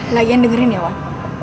lagi yang dengerin ya wan